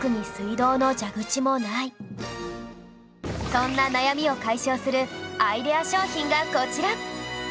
そんな悩みを解消するアイデア商品がこちら